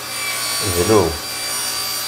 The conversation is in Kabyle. Zlu.